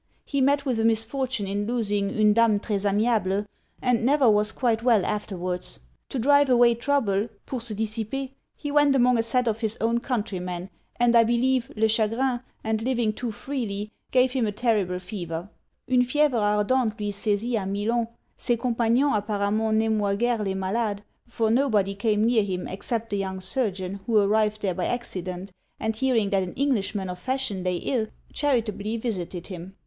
He met with a misfortune in losing une dame tres amiable, and never was quite well afterwards. To drive away trouble, pour se dissiper, he went among a set of his own countrymen, and I believe le chagrin, and living too freely, gave him a terrible fever. Une fievre ardente lui saisit a Milan, ses compagnons apparemment n'aimoit gueres les malades; for nobody came near him except a young surgeon who arrived there by accident, and hearing that an Englishman of fashion lay ill, charitably visited him.